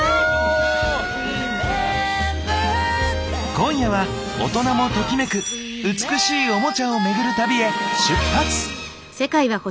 今夜は大人もときめく美しいオモチャをめぐる旅へ出発！